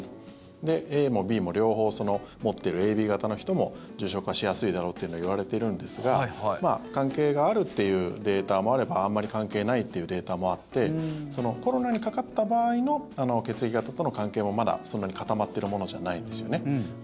で、ＡもＢも両方持っているＡＢ型の人も重症化しやすいだろうというのはいわれているんですが関係があるというデータもあればあんまり関係ないというデータもあってコロナにかかった場合の血液型との関係もまだそんなに固まってるものじゃないんですよね。